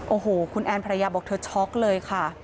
โอ้โหคุณแอนภรรยาบอกเธอช็อกเลยค่ะ